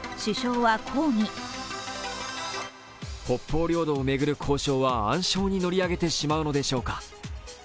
北方領土を巡る交渉は暗礁に乗り上げてしまうのでしょうか。